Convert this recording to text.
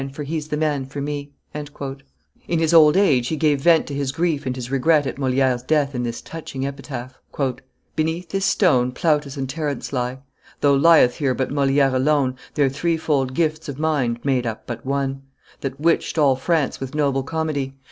For he's the man for me." In his old age he gave vent to his grief and his regret at Moliere's death in this touching epitaph: "Beneath this stone Plautus and Terence lie, Though lieth here but Moliere alone Their threefold gifts of mind made up but one, That witched all France with noble comedy.